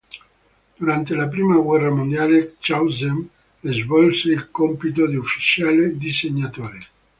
Durante la prima guerra mondiale Clausen svolse il compito di ufficiale disegnatore.